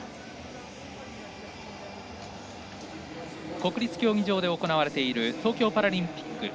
国立競技場で行われている東京パラリンピック